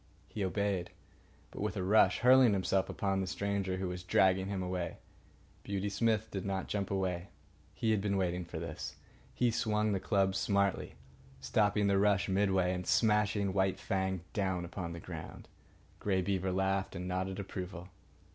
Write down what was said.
He obeyed, but with a rush, hurling himself upon the stranger who was dragging him away. Beauty Smith did not jump away. He had been waiting for this. He swung the club smartly, stopping the rush midway and smashing White Fang down upon the ground. Grey Beaver laughed and nodded approval.